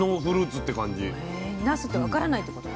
なすって分からないってこと？